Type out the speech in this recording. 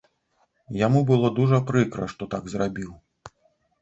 Яму было дужа прыкра, што так зрабіў.